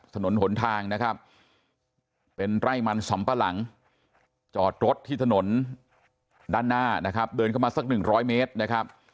ถนนหนทางนะครับเป็นไร่มันสำปะหลังจอดรถที่ถนนด้านหน้านะครับเดินเข้ามาสักหนึ่งร้อยเมตรนะครับ